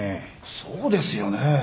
そうですよね。